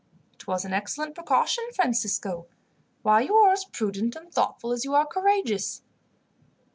"It was an excellent precaution, Francisco. Why, you are as prudent and thoughtful as you are courageous!"